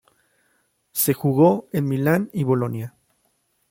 Se jugó en Milán y Bolonia.